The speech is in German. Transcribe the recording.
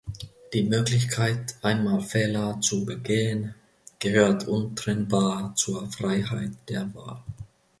Die Möglichkeit, einmal Fehler zu begehen, gehört untrennbar zur Freiheit der Wahl.